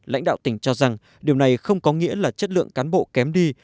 lãnh đạo tỉnh cho rằng điều này không có nghĩa là chất lượng cán bộ kém đi